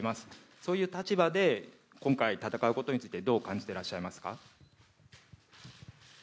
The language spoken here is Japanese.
そういう立場で今回戦うことについてどう感じていますか？